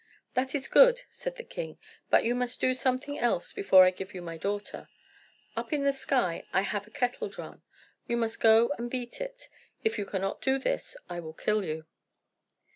"That is good," said the king. "But you must do something else before I give you my daughter. Up in the sky I have a kettle drum. You must go and beat it. If you cannot do this, I will kill you."